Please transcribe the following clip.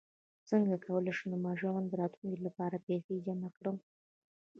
څنګ کولی شم د ماشومانو د راتلونکي لپاره پیسې جمع کړم